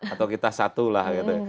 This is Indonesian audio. atau kita satu lah gitu ya